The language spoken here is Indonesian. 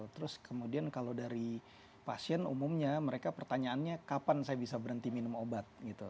terus kemudian kalau dari pasien umumnya mereka pertanyaannya kapan saya bisa berhenti minum obat gitu